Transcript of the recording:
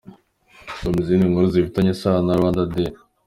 Soma izindi nkuru zifitanye isano na Rwanda Day.